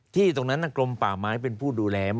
ที่ตรงนั้นกรมป่าไม้เป็นผู้ดูแลม